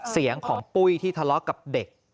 เสียงของปุ้ยที่ทะเลาะกับเด็ก